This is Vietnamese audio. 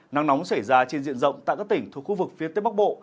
nắng nóng xảy ra trên diện rộng tại các tỉnh thuộc khu vực phía tây bắc bộ